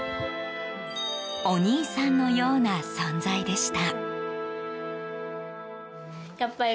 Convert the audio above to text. お兄さんのような存在でした。